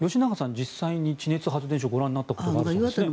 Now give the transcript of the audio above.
実際に地熱発電所をご覧になったことがあるそうですね。